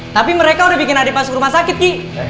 tapi mereka udah bikin adik masuk rumah sakit ki